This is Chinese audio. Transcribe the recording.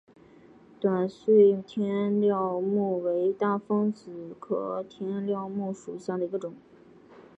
短穗天料木为大风子科天料木属下的一个种。